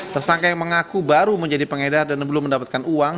tersangka yang mengaku baru menjadi pengedar dan belum mendapatkan uang